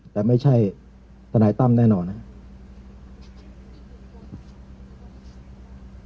แต่ไม่ใช่ทนายตั้มแน่นอนนะครับ